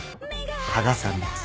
羽賀さんです。